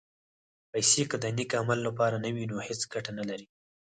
پېسې که د نېک عمل لپاره نه وي، نو هېڅ ګټه نه لري.